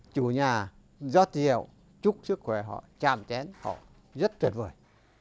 chủ nhà giót rượu chúc sức khỏe họ chàm chén họ rất tuyệt vời